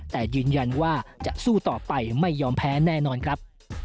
แต่ยืนยันว่าจะสู้ต่อไปไม่ยอมแพ้แน่นอนครับ